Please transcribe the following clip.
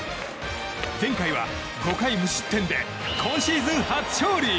前回は５回無失点で今シーズン初勝利。